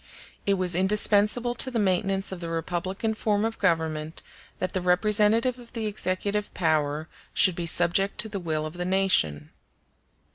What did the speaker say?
It was indispensable to the maintenance of the republican form of government that the representative of the executive power should be subject to the will of the nation.